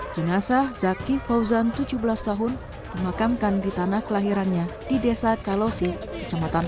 jenazah zaki fauzan tujuh belas tahun dimakamkan di tanah kelahirannya di desa kalosi kecamatan